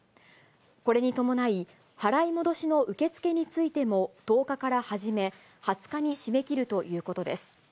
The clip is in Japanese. これに伴い、払い戻しの受け付けについても１０日から始め、２０日に締め切るということです。